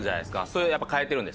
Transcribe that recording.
それやっぱり変えてるんですか？